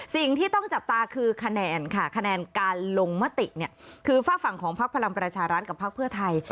สิ่งที่ต้องจับตาคือคะแนนค่ะคะแนนการลงมติเนี่ยคือฝากฝั่งของพักพลังประชารัฐกับพักเพื่อไทย